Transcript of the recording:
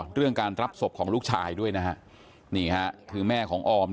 เรื่องการรับศพของลูกชายด้วยนะฮะนี่ฮะคือแม่ของออม